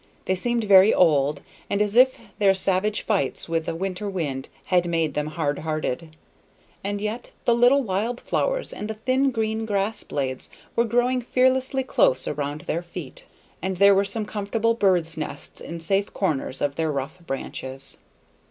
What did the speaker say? They seemed very old, and as if their savage fights with the winter winds had made them hard hearted. And yet the little wild flowers and the thin green grass blades were growing fearlessly close around their feet; and there were some comfortable birds' nests in safe corners of their rough branches.